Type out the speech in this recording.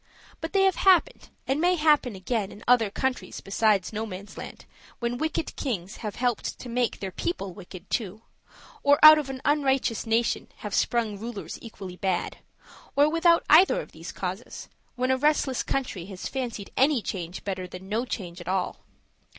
But they have happened, and may happen again, in other countries besides Nomansland, when wicked kings have helped to make their people wicked too, or out of an unrighteous nation have sprung rulers equally bad; or, without either of these causes, when a restless country has fancied any change better than no change at all.